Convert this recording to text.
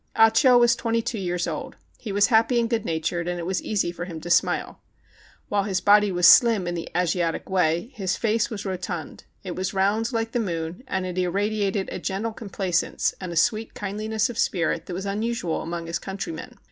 Ah Cho was twenty two years old. He was happy and good natured, and it was easy for him to smile. While his body was slim in the Asiatic way, his face was rotund, it was round, like the moon, and it irradiated a gentle com placence and ^ sweet kindliness of spirit that was unusual among his countrymen.